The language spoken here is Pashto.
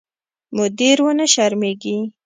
مدیر ونه شرمېږي.